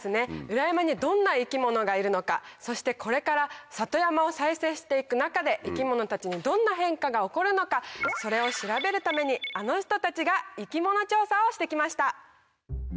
裏山にどんな生き物がいるのかそしてこれから里山を再生していく中で生き物たちにどんな変化が起こるのかそれを調べるためにあの人たちが生き物調査をしてきました。